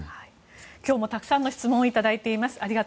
今日もたくさんの質問をいただいています。